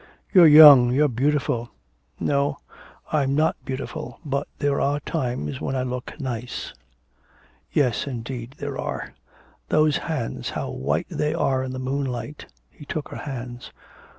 'You're young, you are beautiful ' 'No, I'm not beautiful, but there are times when I look nice.' 'Yes, indeed there are. Those hands, how white they are in the moonlight.' He took her hands.